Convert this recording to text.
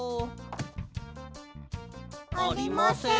ありません。